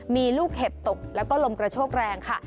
มีลูกเห็บตกแล้วก็ลมกระโชกแรงค่ะ